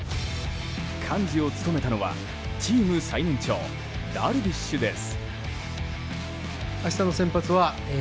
幹事を務めたのはチーム最年長ダルビッシュです。